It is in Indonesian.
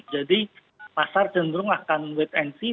jadi pasar cenderung akan wait and see